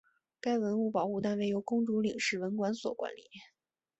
该文物保护单位由公主岭市文管所管理。